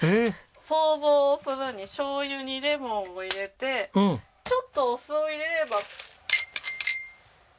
想像するにしょうゆにレモンを入れてちょっとお酢を入れれば。